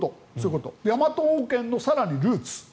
ヤマト王権の更にルーツ。